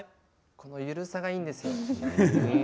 この緩さがいいんですよ。